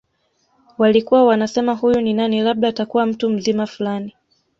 Walikuwa wanasema huyu ni nani labda atakuwa mtu mzima fulani